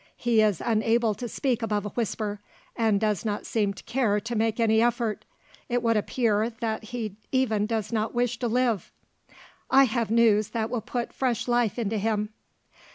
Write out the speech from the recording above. He is unable to speak above a whisper, and does not seem to care to make any effort. It would appear that he even does not wish to live." "I have news that will put fresh life into him."